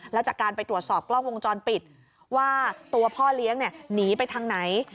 แล้วจากการไปตรวจสอบกล้องวงจรปิดว่าตัวพ่อเลี้ยงหนีไปทางไหน